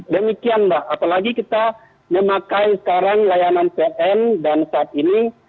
demikian mbak apalagi kita memakai sekarang layanan pln dan saat ini